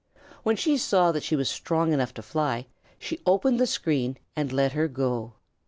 When she saw that she was strong enough to fly, she opened the screen and let her go.